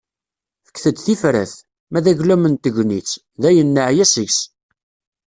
Fket-d tifrat... ma d aglam n tegnit, dayen neɛya seg-s.